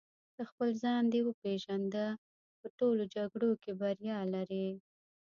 که خپل ځان دې وپېژنده په ټولو جګړو کې بریا لرې.